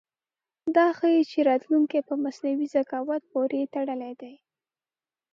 دا ښيي چې راتلونکی په مصنوعي ذکاوت پورې تړلی دی.